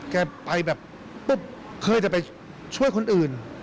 แกไปแบบปุ๊บเคยจะไปช่วยคนอื่น